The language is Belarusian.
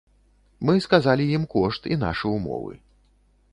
Мы сказалі ім кошт і нашы ўмовы.